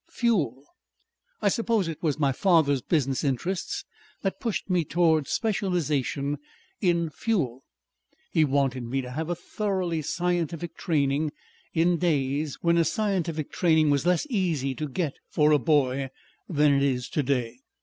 Fuel?... "I suppose it was my father's business interests that pushed me towards specialization in fuel. He wanted me to have a thoroughly scientific training in days when a scientific training was less easy to get for a boy than it is today.